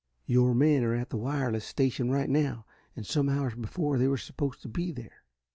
"Your men are at the wireless station right now, and some hours before they were supposed to be there.